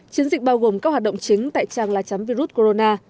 chiến dịch bao gồm các hoạt động chính tại trang lá chắn virus corona